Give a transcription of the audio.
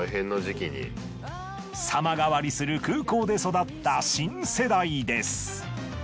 様変わりする空港で育った新世代です。